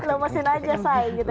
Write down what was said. lemesin aja say gitu ya